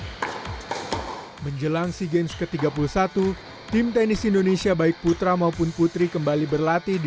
hai menjelang si games ke tiga puluh satu tim tenis indonesia baik putra maupun putri kembali berlatih di